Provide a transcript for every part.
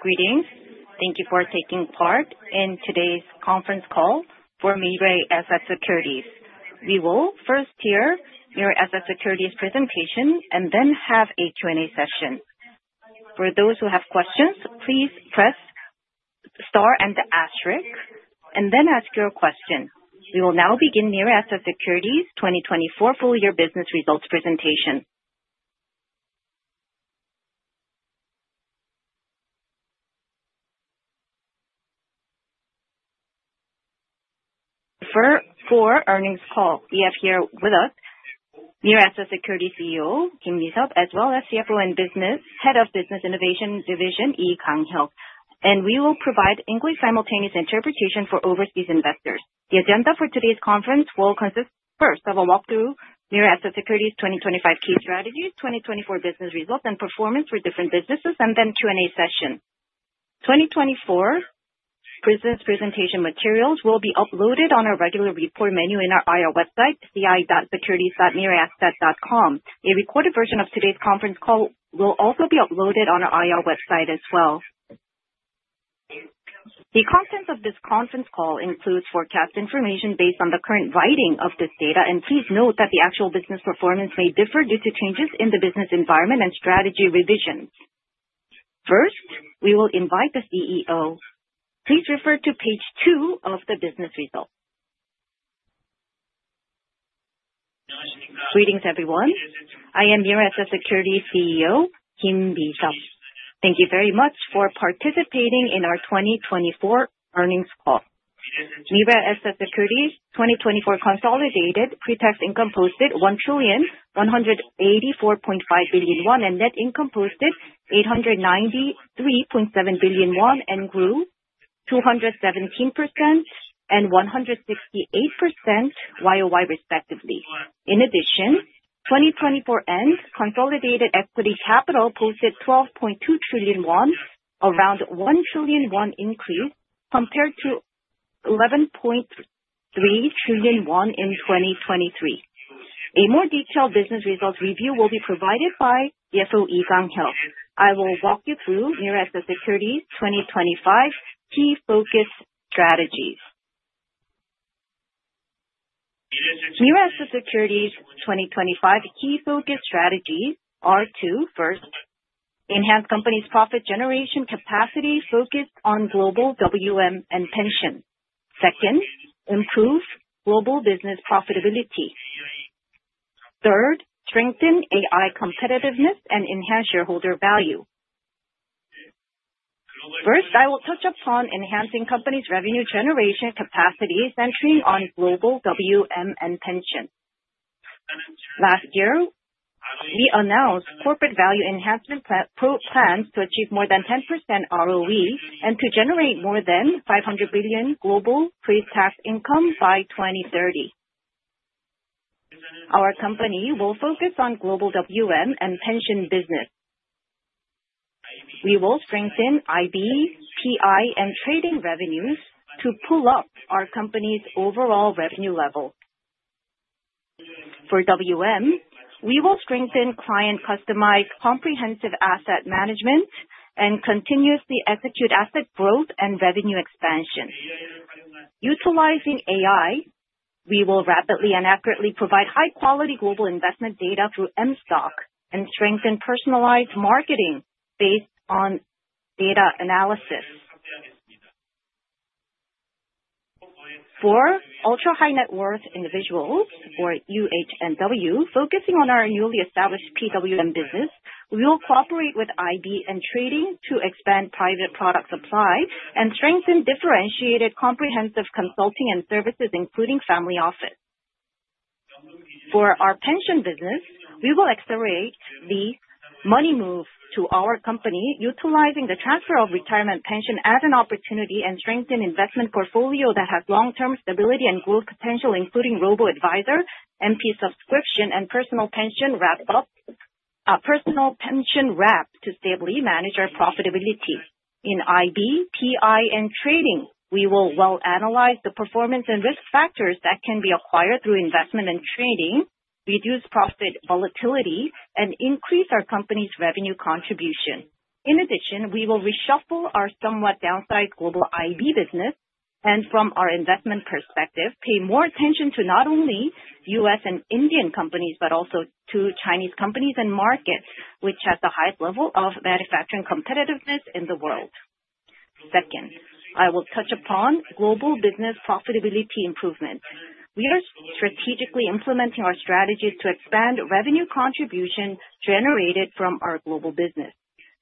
Greetings. Thank you for taking part in today's conference call for Mirae Asset Securities. We will first hear Mirae Asset Securities presentation and then have a Q&A session. For those who have questions, please press star and the asterisk, and then ask your question. We will now begin Mirae Asset Securities' 2024 full year business results presentation. For earnings call, we have here with us Mirae Asset Securities' CEO, Kim Mi-seob, as well as CFO and head of Business Innovation Division, Lee Kang-yeol. We will provide English simultaneous interpretation for overseas investors. The agenda for today's conference will consist, first of a walkthrough, Mirae Asset Securities 2025 key strategies, 2024 business results and performance for different businesses, then Q&A session. 2024 business presentation materials will be uploaded on our regular report menu in our IR website, ci.securities.miraeasset.com. A recorded version of today's conference call will also be uploaded on our IR website as well. The content of this conference call includes forecast information based on the current writing of this data, please note that the actual business performance may differ due to changes in the business environment and strategy revisions. First, we will invite the CEO. Please refer to page two of the business results. Greetings, everyone. I am Mirae Asset Securities CEO, Kim Mi-seob. Thank you very much for participating in our 2024 earnings call. Mirae Asset Securities 2024 consolidated pre-tax income posted 1,184.5 billion won, net income posted 893.7 billion won, grew 217% and 168% Y-o-Y, respectively. In addition, 2024 end consolidated equity capital posted 12.2 trillion won, around 1 trillion won increase compared to 11.3 trillion won in 2023. A more detailed business results review will be provided by CFO Lee Kang-yeol. I will walk you through Mirae Asset Securities' 2025 key focus strategies. Mirae Asset Securities' 2025 key focus strategies are to, first, enhance company's profit generation capacity focused on global WM and pension. Second, improve global business profitability. Third, strengthen AI competitiveness and enhance shareholder value. First, I will touch upon enhancing company's revenue generation capacity, centering on global WM and pension. Last year, we announced corporate value enhancement plans to achieve more than 10% ROE, to generate more than 500 billion global pre-tax income by 2030. Our company will focus on global WM and pension business. We will strengthen IB, PI, and trading revenues to pull up our company's overall revenue level. For WM, we will strengthen client-customized comprehensive asset management and continuously execute asset growth and revenue expansion. Utilizing AI, we will rapidly and accurately provide high-quality global investment data through m.Stock, strengthen personalized marketing based on data analysis. For ultra high-net-worth individuals, or UHNW, focusing on our newly established PWM business, we will cooperate with IB and trading to expand private product supply and strengthen differentiated comprehensive consulting and services, including family office. For our pension business, we will accelerate the money move to our company, utilizing the transfer of retirement pension as an opportunity, strengthen investment portfolio that has long-term stability and growth potential, including robo-advisor, MP subscription, and personal pension wrap to stably manage our profitability. In IB, PI, and trading, we will well analyze the performance and risk factors that can be acquired through investment and trading, reduce profit volatility, increase our company's revenue contribution. In addition, we will reshuffle our somewhat downside global IB business. From our investment perspective, pay more attention to not only U.S. and Indian companies, but also to Chinese companies and markets, which has the highest level of manufacturing competitiveness in the world. Second, I will touch upon global business profitability improvement. We are strategically implementing our strategies to expand revenue contribution generated from our global business.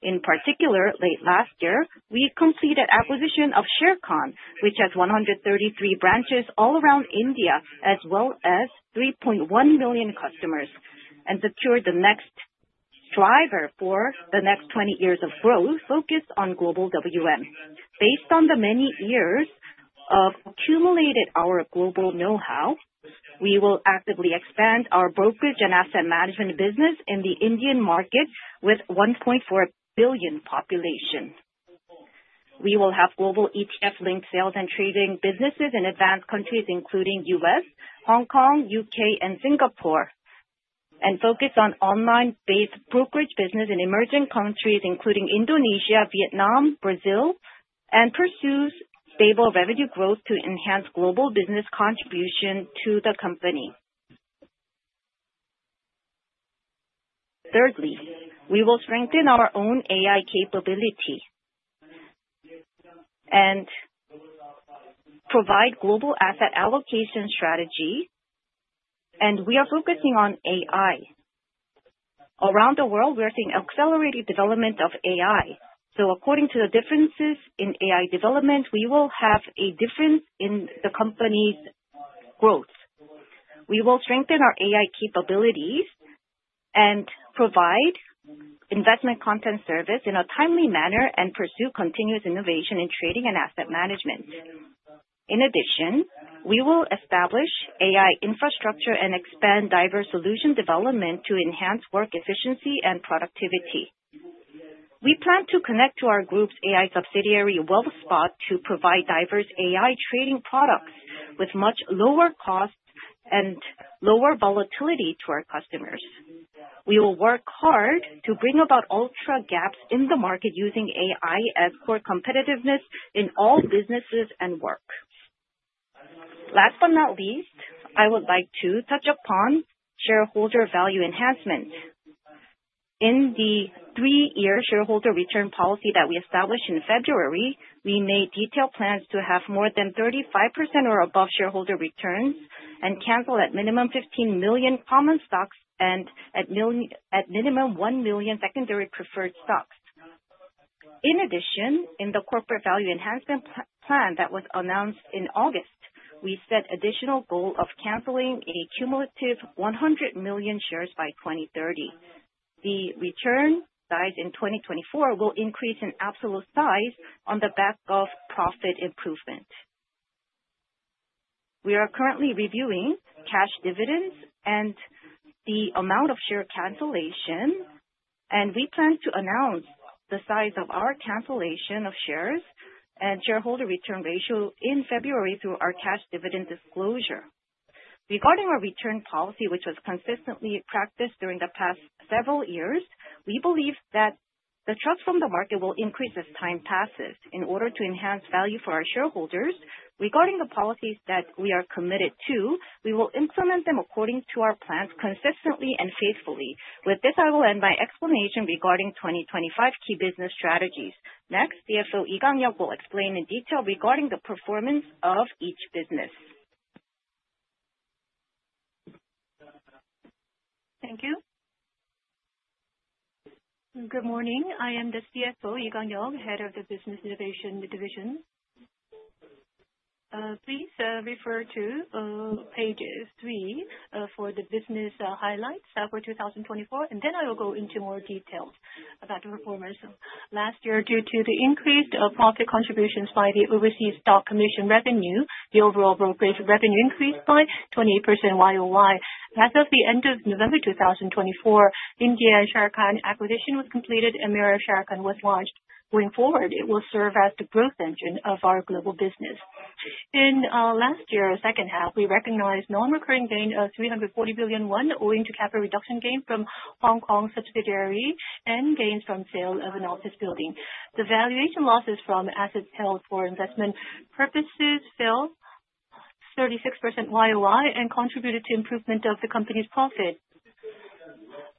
In particular, late last year, we completed acquisition of Mirae Asset Sharekhan, which has 133 branches all around India, as well as 3.1 million customers. Secured the next driver for the next 20 years of growth focused on global WM. Based on the many years of accumulated our global know-how, we will actively expand our brokerage and asset management business in the Indian market with 1.4 billion population. We will have global ETF-linked sales and trading businesses in advanced countries including U.S., Hong Kong, U.K., and Singapore. Focus on online-based brokerage business in emerging countries, including Indonesia, Vietnam, Brazil. Pursues stable revenue growth to enhance global business contribution to the company. Thirdly, we will strengthen our own AI capability and provide global asset allocation strategy. We are focusing on AI. Around the world, we are seeing accelerated development of AI. According to the differences in AI development, we will have a difference in the company's growth. We will strengthen our AI capabilities and provide investment content service in a timely manner and pursue continuous innovation in trading and asset management. In addition, we will establish AI infrastructure and expand diverse solution development to enhance work efficiency and productivity. We plan to connect to our group's AI subsidiary, Wealth Spot, to provide diverse AI trading products with much lower costs and lower volatility to our customers. We will work hard to bring about ultra gaps in the market using AI as core competitiveness in all businesses and work. Last but not least, I would like to touch upon shareholder value enhancement. In the three-year shareholder return policy that we established in February, we made detailed plans to have more than 35% or above shareholder returns and cancel at minimum 15 million common stocks and at minimum 1 million secondary preferred stocks. In addition, in the corporate value enhancement plan that was announced in August, we set additional goal of canceling a cumulative 100 million shares by 2030. The return size in 2024 will increase in absolute size on the back of profit improvement. We are currently reviewing cash dividends and the amount of share cancellation. We plan to announce the size of our cancellation of shares and shareholder return ratio in February through our cash dividend disclosure. Regarding our return policy, which was consistently practiced during the past several years, we believe that the trust from the market will increase as time passes. In order to enhance value for our shareholders, regarding the policies that we are committed to, we will implement them according to our plans consistently and faithfully. With this, I will end my explanation regarding 2025 key business strategies. Next, CFO Lee Kang-yeol will explain in detail regarding the performance of each business. Thank you. Good morning. I am the CFO, Lee Kang-yeol, head of the Business Innovation Division. Please refer to page three for the business highlights for 2024, then I will go into more details about the performance. Last year, due to the increased profit contributions by the overseas stock commission revenue, the overall brokerage revenue increased by 28% year-over-year. As of the end of November 2024, Mirae Asset Sharekhan acquisition was completed, and Mirae Asset Sharekhan was launched. Going forward, it will serve as the growth engine of our global business. In last year, second half, we recognized non-recurring gain of 340 billion won owing to capital reduction gain from Hong Kong subsidiary and gains from sale of an office building. The valuation losses from assets held for investment purposes fell 36% year-over-year and contributed to improvement of the company's profit.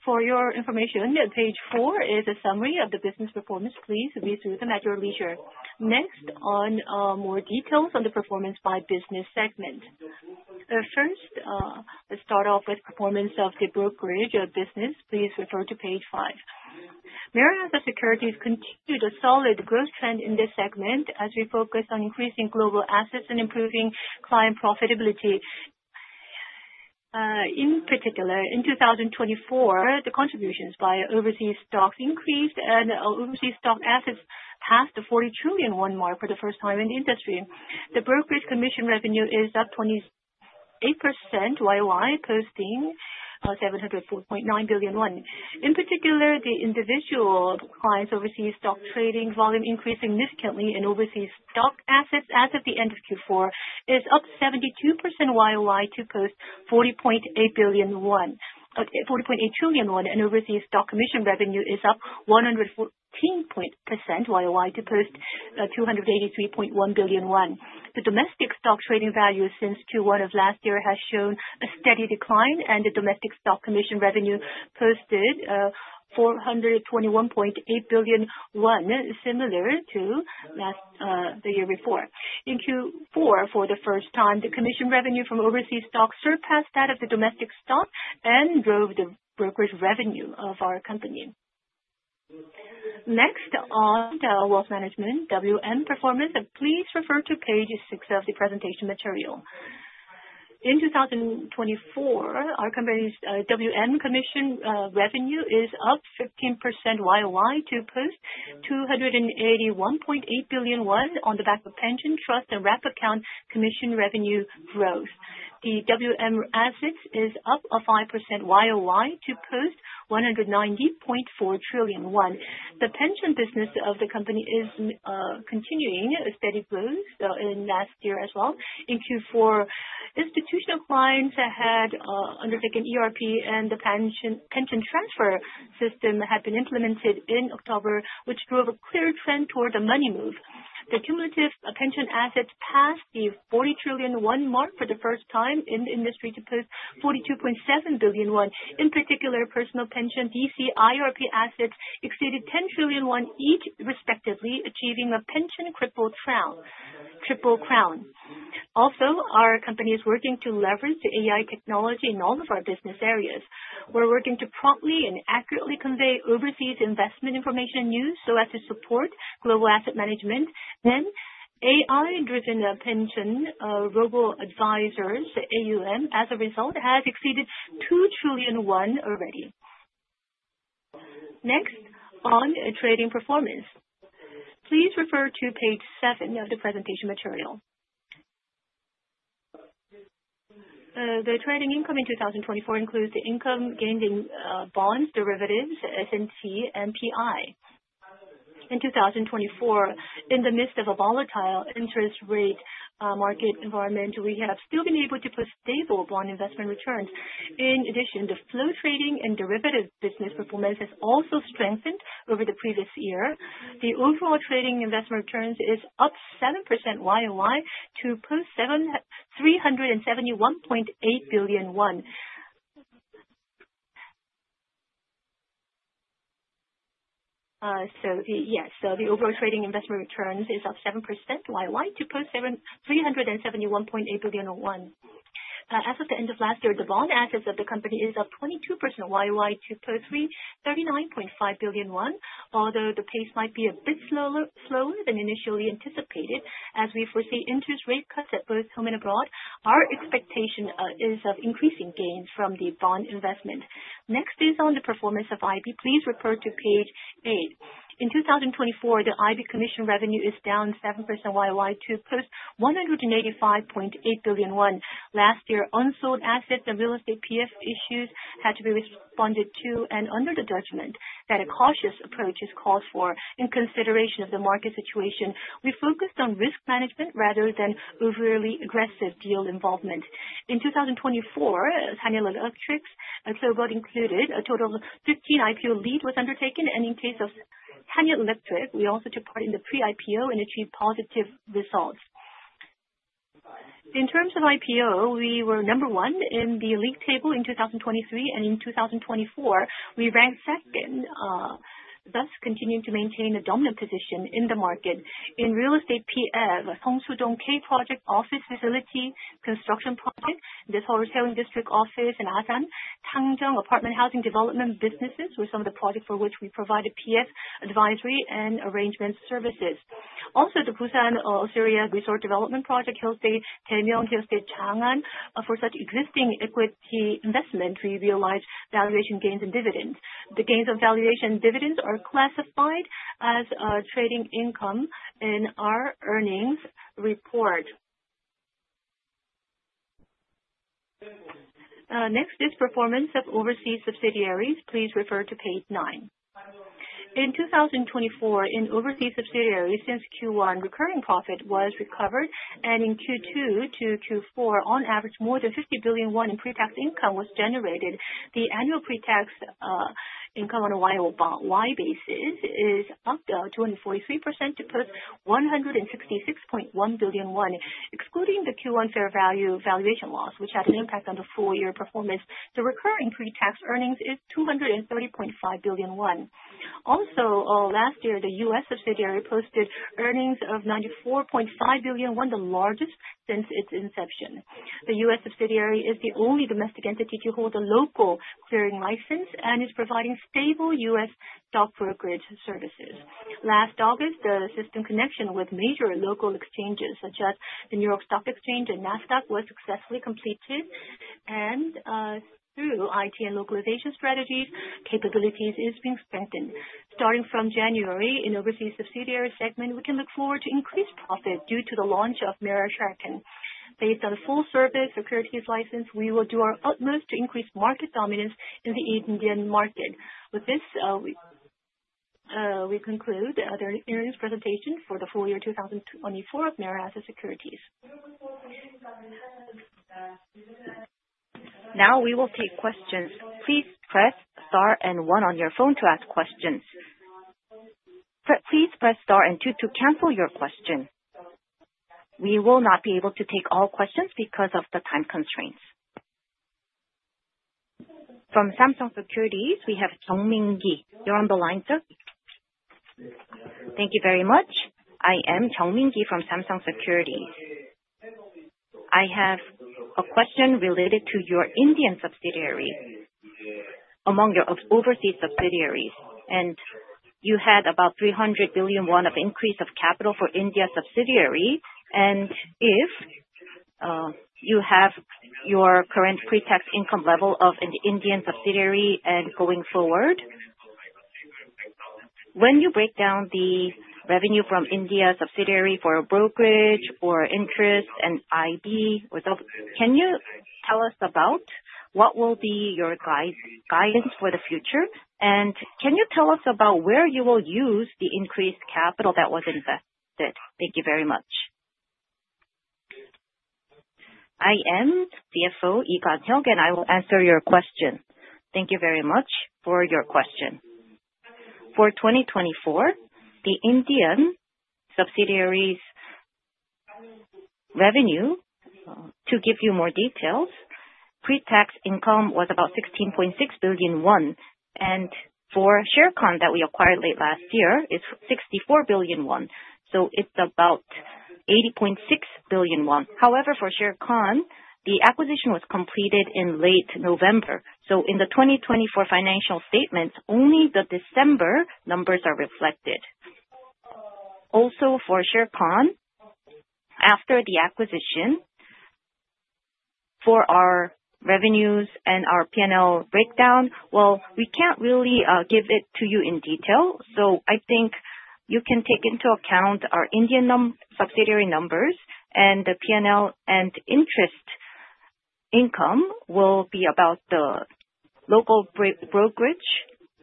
For your information, page four is a summary of the business performance. Please read through them at your leisure. Next, on more details on the performance by business segment. First, let's start off with performance of the brokerage business. Please refer to page five. Mirae Asset Securities continued a solid growth trend in this segment as we focus on increasing global assets and improving client profitability. In particular, in 2024, the contributions by overseas stocks increased, and overseas stock assets passed the 40 trillion mark for the first time in the industry. The brokerage commission revenue is up 28% year-over-year, posting 704.9 billion won. In particular, the individual clients overseas stock trading volume increased significantly in overseas stock assets as of the end of Q4, is up 72% year-over-year to post 40.8 trillion won, and overseas stock commission revenue is up 114% year-over-year to post 283.1 billion won. The domestic stock trading value since Q1 of last year has shown a steady decline, and the domestic stock commission revenue posted 421.8 billion won, similar to the year before. In Q4, for the first time, the commission revenue from overseas stocks surpassed that of the domestic stock and drove the brokerage revenue of our company. Next on Wealth Management, WM performance, and please refer to page six of the presentation material. In 2024, our company's WM commission revenue is up 15% year-over-year to post 281.8 billion won on the back of pension, trust, and wrap account commission revenue growth. The WM assets is up 5% year-over-year to post 190.4 trillion won. The pension business of the company is continuing a steady growth in last year as well. In Q4, institutional clients had undertaken ERP and the pension transfer system had been implemented in October, which drove a clear trend toward the money move. The cumulative pension assets passed the 40 trillion won mark for the first time in the industry to post 42.7 billion won. In particular, personal pension DC IRP assets exceeded 10 trillion won each respectively, achieving a pension triple crown. Also, our company is working to leverage the AI technology in all of our business areas. We're working to promptly and accurately convey overseas investment information news so as to support global asset management. Then, AI-driven pension, robo-advisors, AUM, as a result, has exceeded 2 trillion won already. Next, on trading performance. Please refer to page seven of the presentation material. The trading income in 2024 includes the income gained in bonds, derivatives, FNT, and PI. In 2024, in the midst of a volatile interest rate market environment, we have still been able to post stable bond investment returns. In addition, the flow trading and derivative business performance has also strengthened over the previous year. The overall trading investment returns is up 7% YOY to post KRW 371.8 billion. The overall trading investment returns is up 7% YOY to post 371.8 billion. As of the end of last year, the bond assets of the company is up 22% YOY to post 339.5 billion, although the pace might be a bit slower than initially anticipated as we foresee interest rate cuts at both home and abroad. Our expectation is of increasing gains from the bond investment. Next is on the performance of IB. Please refer to page eight. In 2024, the IB commission revenue is down 7% YOY to post 185.8 billion won. Last year, unsold assets and real estate PF issues had to be responded to, and under the judgment that a cautious approach is called for in consideration of the market situation. We focused on risk management rather than overly aggressive deal involvement. In 2024, Hanyul Electric, and so what included, a total of 15 IPO lead was undertaken, and in case of Hanyul Electric, we also took part in the pre-IPO and achieved positive results. In terms of IPO, we were number one in the league table in 2023, and in 2024, we ranked second, thus continuing to maintain a dominant position in the market. In real estate PF, Seongsu-dong K project office facility construction project, the wholesaling district office in Asan, Tangjung Apartment Housing Development businesses were some of the projects for which we provided PF advisory and arrangement services. Also, the Busan Osiria Resort Development Project Hillstate, Daejeon Hillstate, Changwon, for such existing equity investment, we realized valuation gains and dividends. The gains on valuation and dividends are classified as trading income in our earnings report. Next is performance of overseas subsidiaries. Please refer to page nine. In 2024, in overseas subsidiaries, since Q1, recurring profit was recovered, and in Q2 to Q4, on average, more than 50 billion won in pre-tax income was generated. The annual pre-tax income on a YOY basis is up 243% to post 166.1 billion won. Excluding the Q1 fair value valuation loss, which had an impact on the full-year performance, the recurring pre-tax earnings is 230.5 billion won. Also, last year, the U.S. subsidiary posted earnings of 94.5 billion won, the largest since its inception. The U.S. subsidiary is the only domestic entity to hold a local clearing license and is providing stable U.S. stock brokerage services. Last August, the system connection with major local exchanges, such as the New York Stock Exchange and NASDAQ, was successfully completed and, through IT and localization strategies, capabilities is being strengthened. Starting from January, in overseas subsidiary segment, we can look forward to increased profit due to the launch of Mirae Sharekhan. Based on a full-service securities license, we will do our utmost to increase market dominance in the Indian market. With this, we conclude the earnings presentation for the full year 2024 of Mirae Asset Securities. Now we will take questions. Please press star and one on your phone to ask questions. Please press star and two to cancel your question. We will not be able to take all questions because of the time constraints. From Samsung Securities, we have Jeong Min-ki. You are on the line, sir. Thank you very much. I am Jeong Min-ki from Samsung Securities. I have a question related to your Indian subsidiary among your overseas subsidiaries. You had about 300 billion won of increase of capital for India subsidiary, and if you have your current pre-tax income level of an Indian subsidiary and going forward, when you break down the revenue from India subsidiary for brokerage or interest and IB. Can you tell us about what will be your guidance for the future, can you tell us about where you will use the increased capital that was invested? Thank you very much. I am CFO Lee Kang-yeol, and I will answer your question. Thank you very much for your question. For 2024, the Indian subsidiary's revenue, to give you more details, pre-tax income was about 16.6 billion won, and for Sharekhan that we acquired late last year, it's 64 billion won. It's about 80.6 billion won. However, for Sharekhan, the acquisition was completed in late November. In the 2024 financial statement, only the December numbers are reflected. Also, for Sharekhan, after the acquisition, for our revenues and our P&L breakdown, we can't really give it to you in detail. I think you can take into account our Indian subsidiary numbers and the P&L, and interest income will be about the local brokerage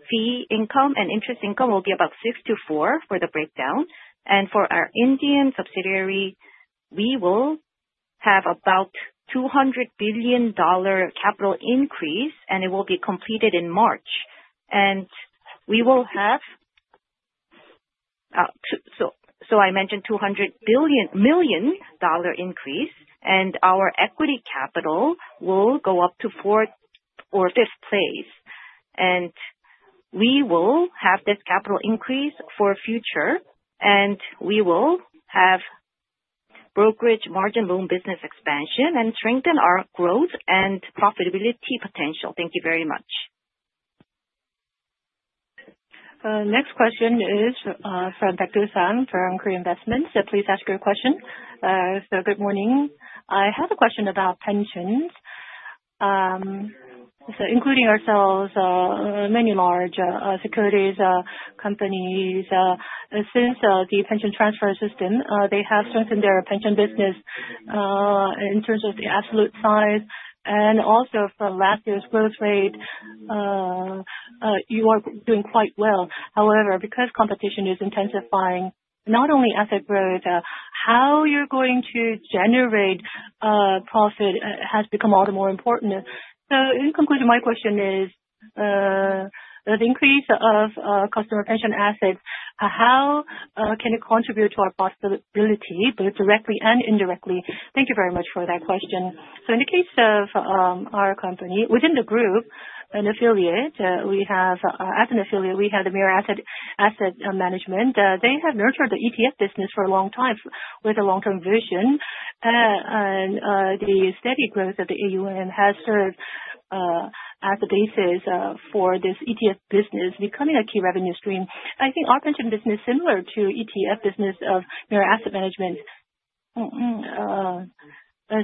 fee income, and interest income will be about 6 to 4 for the breakdown. For our Indian subsidiary, we will have about $200 million capital increase, and it will be completed in March. I mentioned $200 million increase, and our equity capital will go up to 4th or 5th place. We will have this capital increase for future, and we will have brokerage margin loan business expansion and strengthen our growth and profitability potential. Thank you very much. Next question is from Baek Du-san from Korea Investment. Please ask your question. Good morning. I have a question about pensions. Including ourselves, many large securities companies, since the pension transfer system, they have strengthened their pension business, in terms of the absolute size and also from last year's growth rate, you're doing quite well. However, because competition is intensifying not only asset growth, how you're going to generate profit has become all the more important. In conclusion, my question is, the increase of customer pension assets, how can it contribute to our profitability, both directly and indirectly? Thank you very much for that question. In the case of our company, within the group, as an affiliate, we have Mirae Asset Global Investments. They have nurtured the ETF business for a long time with a long-term vision. The steady growth of the AUM has served as the basis for this ETF business becoming a key revenue stream. I think our pension business is similar to ETF business of Mirae Asset Management.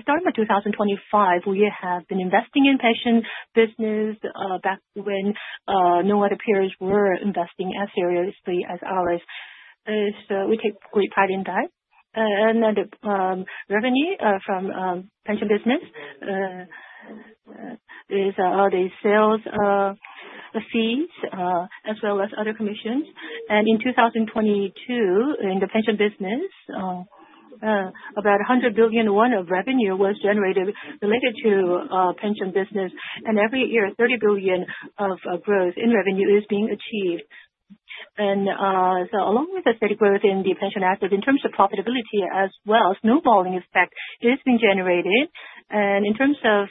Starting with 2025, we have been investing in pension business, back when no other peers were investing as seriously as ours. We take great pride in that. The revenue from pension business is the sales fees, as well as other commissions. In 2022, in the pension business, about 100 billion won of revenue was generated related to pension business. Every year, 30 billion of growth in revenue is being achieved. Along with the steady growth in the pension asset, in terms of profitability as well, snowballing effect is being generated. In terms of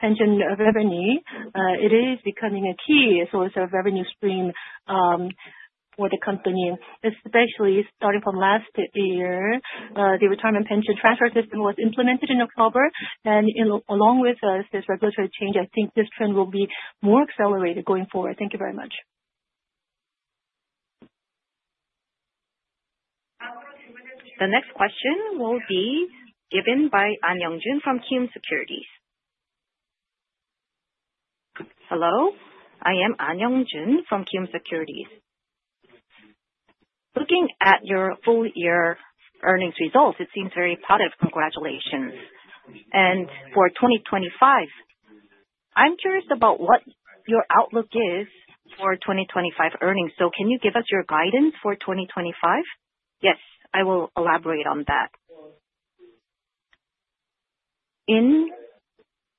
pension revenue, it is becoming a key source of revenue stream for the company, especially starting from last year. The retirement pension transfer system was implemented in October. Along with this regulatory change, I think this trend will be more accelerated going forward. Thank you very much. The next question will be given by Ahn Young-jun from Kiwoom Securities. Hello, I am Ahn Young-jun from Kiwoom Securities. Looking at your full year earnings results, it seems very positive. Congratulations. For 2025, I'm curious about what your outlook is for 2025 earnings. Can you give us your guidance for 2025? Yes, I will elaborate on that. In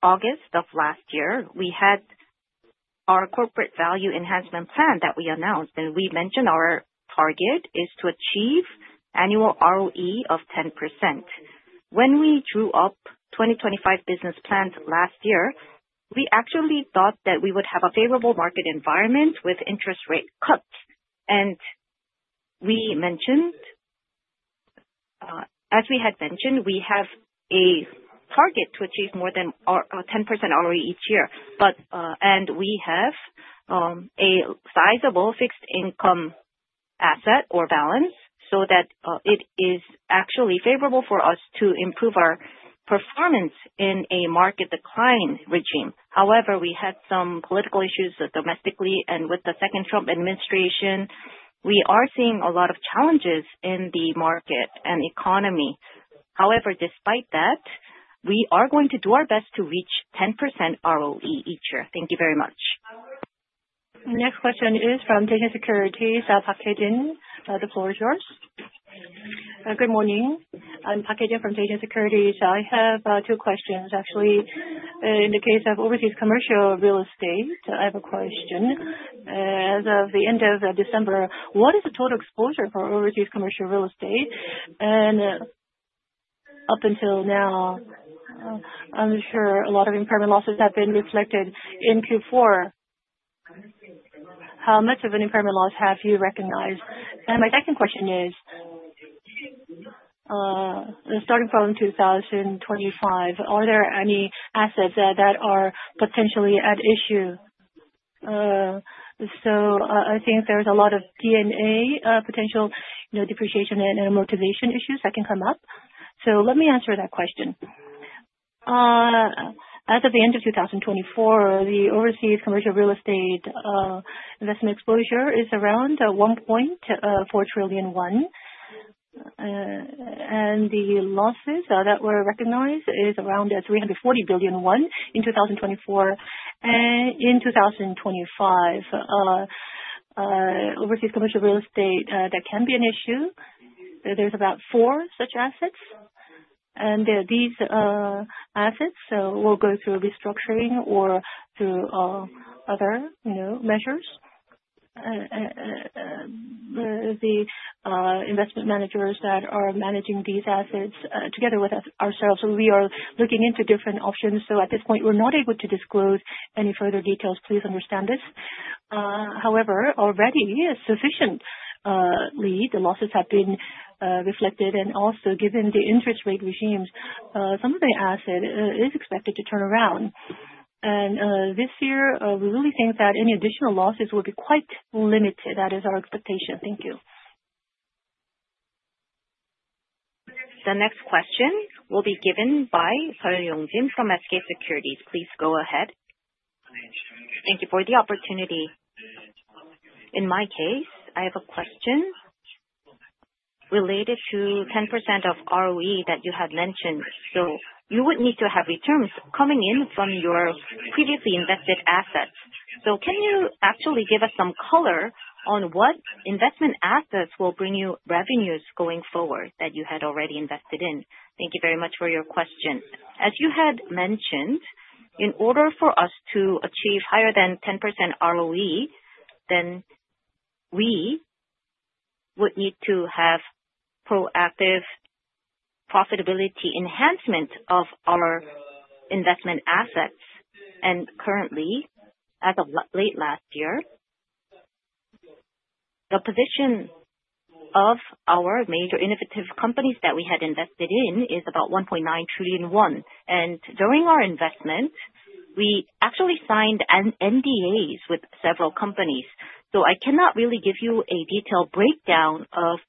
August of last year, we had our corporate value enhancement plan that we announced. We mentioned our target is to achieve annual ROE of 10%. When we drew up 2025 business plans last year, we actually thought that we would have a favorable market environment with interest rate cuts. As we had mentioned, we have a target to achieve more than 10% ROE each year. We have a sizable fixed income asset or balance so that it is actually favorable for us to improve our performance in a market decline regime. However, we had some political issues domestically and with the second Trump administration. We are seeing a lot of challenges in the market and economy. However, despite that, we are going to do our best to reach 10% ROE each year. Thank you very much. Next question is from Daishin Securities, Park Hye-jin. The floor is yours. Good morning. I'm Park Hye-jin from Daishin Securities. I have two questions. In the case of overseas commercial real estate, I have a question. As of the end of December, what is the total exposure for overseas commercial real estate? Up until now, I'm sure a lot of impairment losses have been reflected in Q4. How much of an impairment loss have you recognized? My second question is, starting from 2025, are there any assets that are potentially at issue? I think there's a lot of DNA potential depreciation and motivation issues that can come up. Let me answer that question. As of the end of 2024, the overseas commercial real estate investment exposure is around 1.4 trillion won, and the losses that were recognized is around 340 billion won in 2024. In 2025, overseas commercial real estate, that can be an issue. There's about four such assets. These assets will go through a restructuring or through other measures. The investment managers that are managing these assets, together with ourselves, we are looking into different options. At this point, we're not able to disclose any further details. Please understand this. However, already sufficiently, the losses have been reflected, and also, given the interest rate regimes, some of the asset is expected to turn around. This year, we really think that any additional losses will be quite limited. That is our expectation. Thank you. The next question will be given by Seo Yong-jin from SK Securities. Please go ahead. Thank you for the opportunity. In my case, I have a question related to 10% of ROE that you had mentioned. You would need to have returns coming in from your previously invested assets. Can you actually give us some color on what investment assets will bring you revenues going forward, that you had already invested in? Thank you very much for your question. As you had mentioned, in order for us to achieve higher than 10% ROE, we would need to have proactive profitability enhancement of our investment assets. Currently, as of late last year, the position of our major innovative companies that we had invested in is about 1.9 trillion won. During our investment, we actually signed NDAs with several companies. I cannot really give you a detailed breakdown of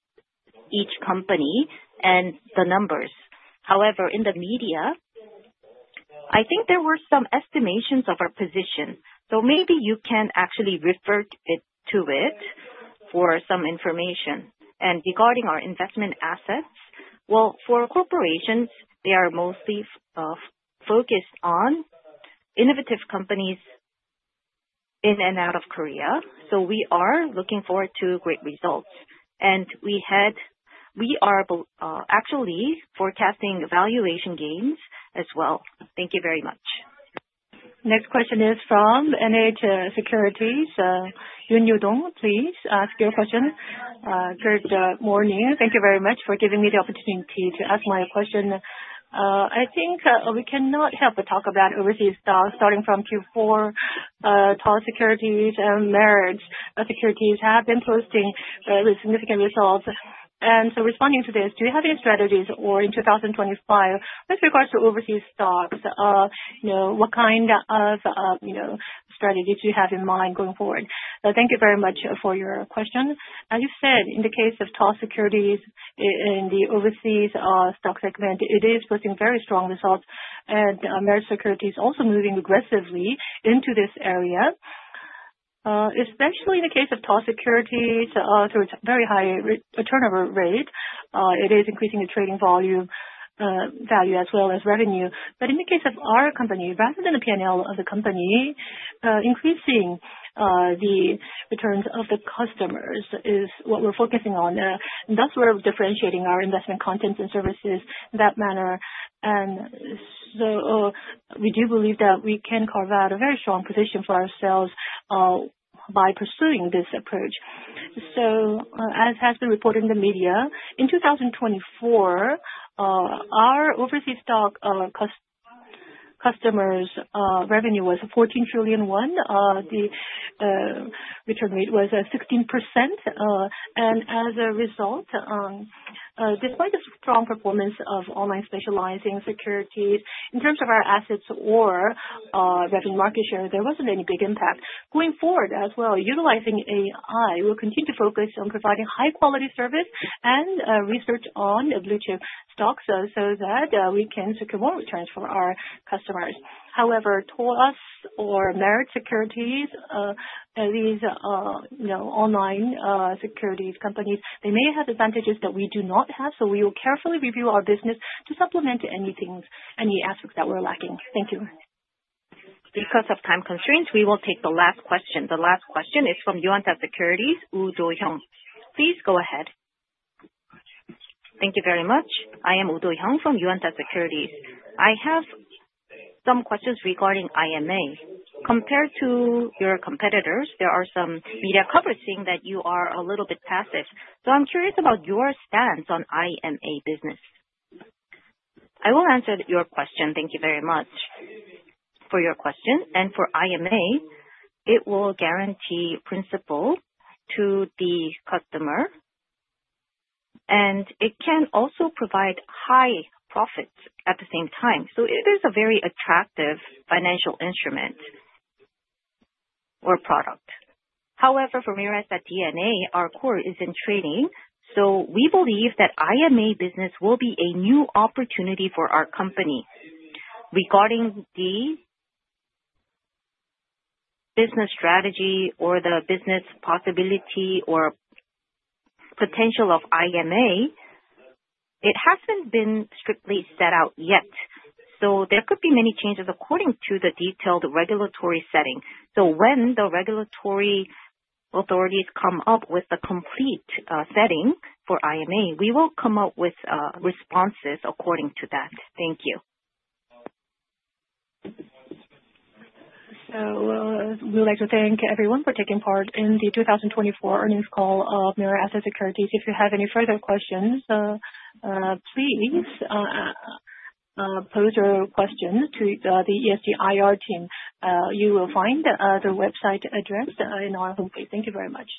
each company and the numbers. However, in the media, I think there were some estimations of our position, so maybe you can actually refer to it for some information. Regarding our investment assets, well, for corporations, they are mostly focused on innovative companies in and out of Korea. We are looking forward to great results. We are actually forecasting valuation gains as well. Thank you very much. Next question is from NH Securities. Yoon Byung-un, please ask your question. Good morning. Thank you very much for giving me the opportunity to ask my question. I think we cannot help but talk about overseas stocks starting from Q4. Toss Securities and Meritz Securities have been posting very significant results. Responding to this, do you have any strategies or in 2025 with regards to overseas stocks? What kind of strategies you have in mind going forward? Thank you very much for your question. As you said, in the case of Toss Securities in the overseas stock segment, it is posting very strong results. Meritz Securities also moving aggressively into this area. Especially in the case of Toss Securities, so it's very high turnover rate. It is increasing the trading volume, value as well as revenue. In the case of our company, rather than the P&L of the company, increasing the returns of the customers is what we're focusing on. Thus, we're differentiating our investment contents and services in that manner. We do believe that we can carve out a very strong position for ourselves by pursuing this approach. As has been reported in the media, in 2024, our overseas stock customers revenue was 14 trillion won. The return rate was 16%. As a result, despite the strong performance of online specializing securities in terms of our assets or revenue market share, there wasn't any big impact. Going forward as well, utilizing AI, we'll continue to focus on providing high quality service and research on blue-chip stocks so that we can secure more returns for our customers. However, Toss or Meritz Securities, these online securities companies, they may have advantages that we do not have, so we will carefully review our business to supplement any assets that we're lacking. Thank you. Because of time constraints, we will take the last question. The last question is from Yuanta Securities, Wu Do Hyung. Please go ahead. Thank you very much. I am Wu Do Hyung from Yuanta Securities. I have some questions regarding IMA. Compared to your competitors, there are some media coverage saying that you are a little bit passive. I'm curious about your stance on IMA business. I will answer your question. Thank you very much for your question. For IMA, it will guarantee principal to the customer, and it can also provide high profits at the same time. It is a very attractive financial instrument or product. However, for Mirae Asset DNA, our core is in trading, so we believe that IMA business will be a new opportunity for our company. Regarding the business strategy or the business possibility or potential of IMA, it hasn't been strictly set out yet. There could be many changes according to the detailed regulatory setting. When the regulatory authorities come up with a complete setting for IMA, we will come up with responses according to that. Thank you. We would like to thank everyone for taking part in the 2024 earnings call of Mirae Asset Securities. If you have any further questions, please pose your questions to the ESG IR team. You will find the website address in our homepage. Thank you very much.